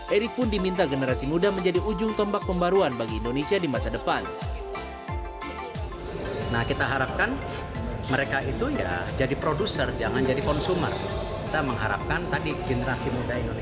erick pun diminta generasi muda menjadi ujung tombak pembaruan bagi indonesia di masa depan